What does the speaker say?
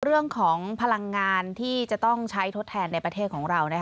เรื่องของพลังงานที่จะต้องใช้ทดแทนในประเทศของเรา